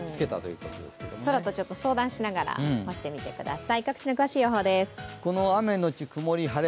空と相談しながら干してみてください。